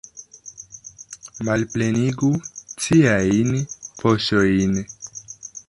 Malplenigu ciajn poŝojn!